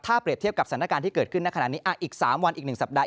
ถ้าเปรียบเทียบกับสถานการณ์ที่เกิดขึ้นในขณะนี้อีก๓วันอีก๑สัปดาห